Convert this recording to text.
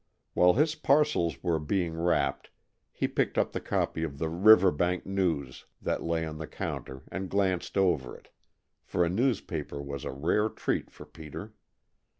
While his parcels were being wrapped he picked up the copy of the Riverbank News that lay on the counter and glanced over it, for a newspaper was a rare treat for Peter.